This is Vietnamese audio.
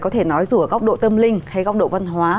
có thể nói dù ở góc độ tâm linh hay góc độ văn hóa